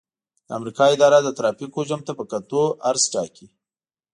د امریکا اداره د ترافیک حجم ته په کتو عرض ټاکي